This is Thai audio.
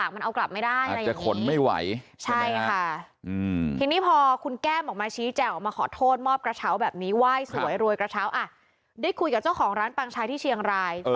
เพราะว่ามาจากสงคร้าพมาจากเชียงราย